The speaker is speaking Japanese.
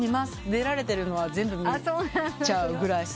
出られてるのは全部見ちゃうぐらい好きで。